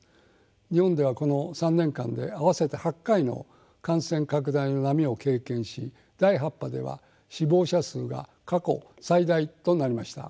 日本ではこの３年間で合わせて８回の感染拡大の波を経験し第８波では死亡者数が過去最大となりました。